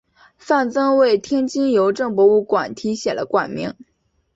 范曾为天津邮政博物馆题写了馆名。